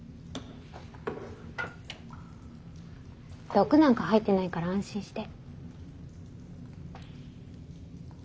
毒なんか入ってないから安心して。